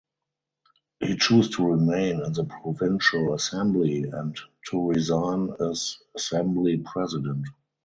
He chose to remain in the provincial assembly and to resign as assembly president.